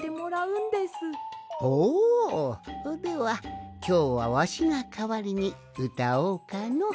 ほではきょうはわしがかわりにうたおうかの。